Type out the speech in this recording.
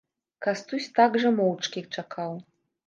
Кастусь так жа моўчкі чакаў.